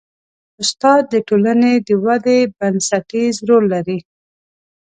استاد د ټولنې د ودې بنسټیز رول لري.